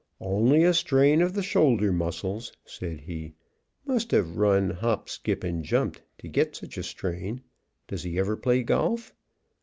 "Only a strain of the shoulder muscles," said he; "must have run hop skip and jumped to get such a strain does he ever play golf?